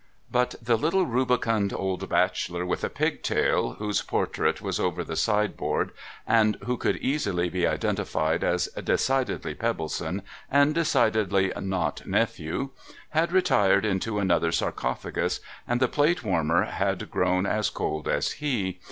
But the little rubicund old bachelor with a pigtail, whose portrait was over the sideboard (and who could easily be identified as decidedly Pebbleson and decidedly not Nephew), had retired into another sarcophagus, and the plate warmer had grown as cold as he.